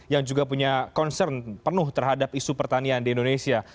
yang juga punya concern penuh terhadap isu pertanian di indonesia